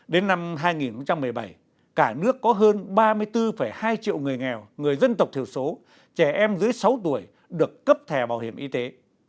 đến năm hai nghìn một mươi bảy cả nước có hơn ba mươi bốn hai triệu người nghèo người dân tộc thiểu số trẻ em dưới sáu tuổi được cấp thẻ bảo hiểm y tế